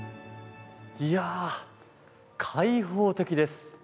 いやあ、開放的です。